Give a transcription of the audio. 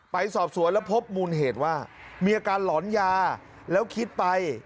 ไปสอบสวนแล้วพบมูลเหตุว่ามีอาการหลอนยาแล้วคิดไป